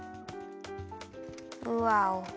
うわお。